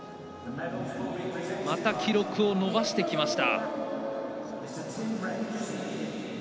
また記録を伸ばしてきました。